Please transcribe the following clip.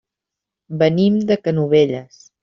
Venim de Canovelles.